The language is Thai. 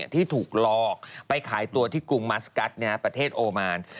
ที่ถูกหลอกไปขายตัวที่กรุงมัสกัสประเทศโอมาน